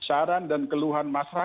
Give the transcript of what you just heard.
saran dan keluhan masyarakat